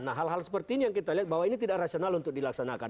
nah hal hal seperti ini yang kita lihat bahwa ini tidak rasional untuk dilaksanakan